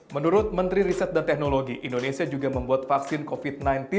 menurut menteri riset dan teknologi indonesia juga membuat vaksin covid sembilan belas